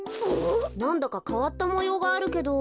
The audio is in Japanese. なんだかかわったもようがあるけど。